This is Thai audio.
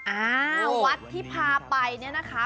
อ่าวัดที่พาไปเนี่ยนะคะ